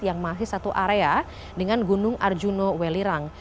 yang masih satu area dengan gunung arjuna welirang